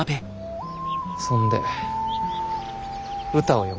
そんで歌を詠む。